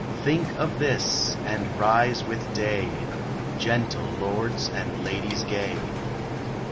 Think of this, and rise with day, Gentle lords and ladies gay!